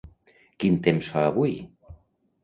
Quin temps fa avui?